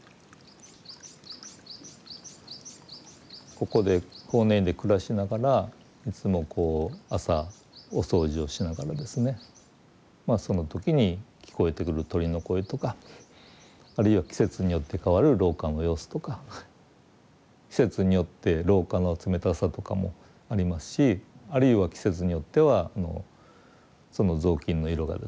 ここで法然院で暮らしながらいつもこう朝お掃除をしながらですねその時に聞こえてくる鳥の声とかあるいは季節によって変わる廊下の様子とか季節によって廊下の冷たさとかもありますしあるいは季節によってはその雑巾の色がですね